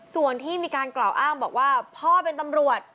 ส่วนที่มีการกล่าวอ้างบอกว่าพ่อเป็นตำรวจ